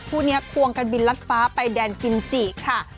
คู่นี้ควงกันบินลัดฟ้าไปแดนกิมจิค่ะ